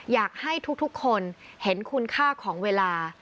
อยากให้ทุกคนเห็นคุณค่าของเวลา